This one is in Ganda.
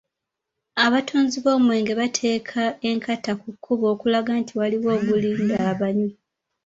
Abatunzi b’omwenge bateeka e Nkata ku kkubo okulaga nti waliwo ogulinda abanywi.